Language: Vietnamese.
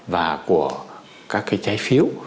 và của các trái phiếu